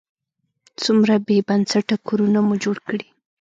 څومره بې بنسټه کورونه مو جوړ کړي.